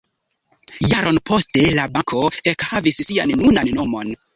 Jaron poste la banko ekhavis sian nunan nomon.